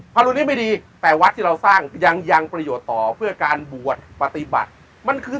พระรุณนี้ไม่ดีแต่วัดที่เราสร้างยังยังประโยชน์ต่อเพื่อการบวชปฏิบัติมันคือ